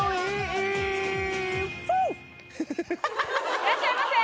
いらっしゃいませ。